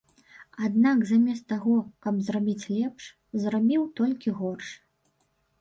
Аднак замест таго, каб зрабіць лепш, зрабіў толькі горш.